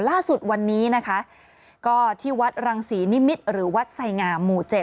ล่าสุดวันนี้นะคะก็ที่วัดรังศรีนิมิตรหรือวัดไสงามหมู่๗